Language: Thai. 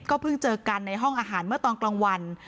เพิ่งเจอกันในห้องอาหารเมื่อตอนกลางวัน